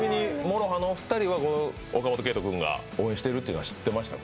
ＭＯＲＯＨＡのお二人は岡本圭人君が応援しているのは知ってました？